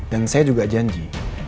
dan saya juga janji